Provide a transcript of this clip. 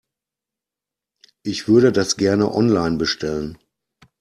Ich würde das gerne online bestellen.